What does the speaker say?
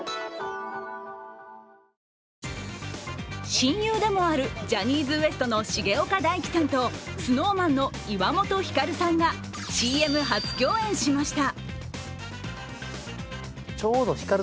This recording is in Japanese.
親友でもあるジャニーズＷＥＳＴの重岡大毅さんとＳｎｏｗＭａｎの岩本照さんがＣＭ初共演しました。